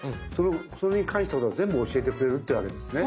それに関して全部教えてくれるってわけですね。